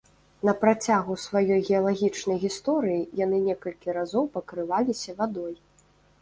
На працягу сваёй геалагічнай гісторыі яны некалькі разоў пакрываліся вадой.